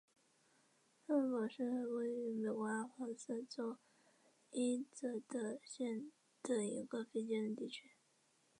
卢嫩堡是位于美国阿肯色州伊泽德县的一个非建制地区。